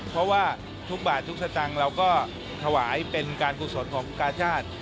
เพราะว่าทุกบาททุกสตางค์เราก็ถวายเป็นการกุศลของกาชาติ